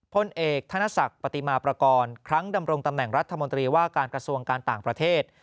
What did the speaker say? พลเอกธนศักดิ์ปฏิมาประกอบครั้งดำรงตำแหน่งรัฐมนตรีว่าการกระทรวงการต่างประเทศ